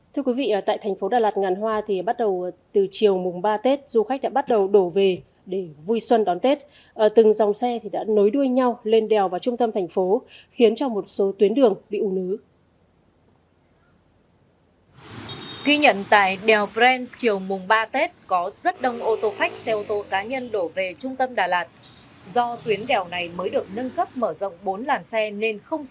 thưa quý vị tại thành phố đà lạt ngàn hôm nay người lao động sẽ được nghỉ tết tới hết ngày mai ngày mùa năm tết và trở lại làm việc từ ngày mùa sáu âm lịch